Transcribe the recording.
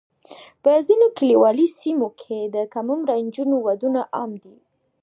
په ځینو کلیوالي سیمو کې د کم عمره نجونو ودونه عام دي.